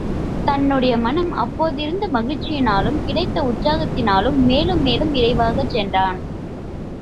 தன்னுடைய மனம் அப்போதிருந்த மகிழ்ச்சியினாலும் கிடைத்த உற்சாகத்தினாலும் மேலும் மேலும் விரைவாகச் சென்றான்.